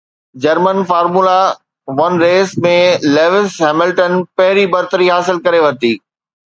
German formula one race ۾ Lewis Hamilton پهرين برتري حاصل ڪري ورتي